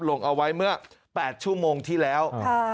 ลงเอาไว้เมื่อ๘ชั่วโมงที่แล้ว